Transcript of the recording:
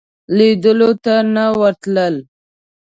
لیدلو ته نه ورتلل.